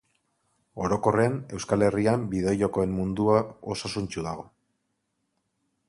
Orokorrean, Euskal Herrian, bideojokoen mundua osasuntsu dago